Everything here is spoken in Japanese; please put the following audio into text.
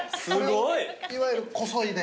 いわゆるこそいで。